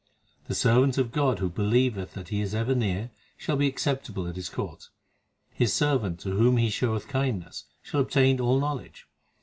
The servant of God who believeth that He is ever near, Shall be acceptable at His court. His servant to whom He showeth kindness, Shall obtain all knowledge.